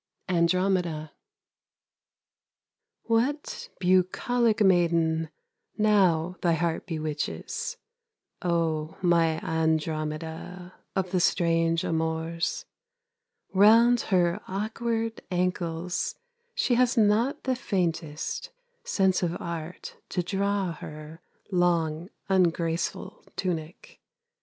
ANDROMEDA What bucolic maiden Now thy heart bewitches, O my Andromeda Of the strange amours? Round her awkward ankles She has not the faintest Sense of art to draw her Long ungraceful tunic.